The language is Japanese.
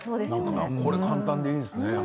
簡単で、いいですね。